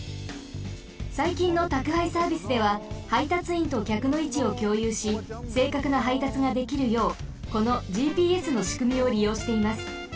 さいきんのたくはいサービスでははいたついんときゃくのいちをきょうゆうしせいかくなはいたつができるようこのＧＰＳのしくみをりようしています。